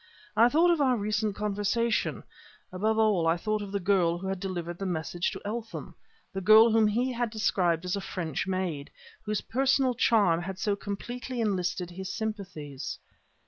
I thought of our recent conversation; above all I thought of the girl who had delivered the message to Eltham, the girl whom he had described as a French maid whose personal charm had so completely enlisted his sympathies.